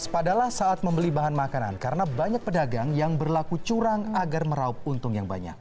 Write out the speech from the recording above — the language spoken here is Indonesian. padahal saat membeli bahan makanan karena banyak pedagang yang berlaku curang agar meraup untung yang banyak